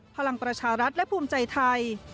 พลังประชารัฐและภูมิใจไทย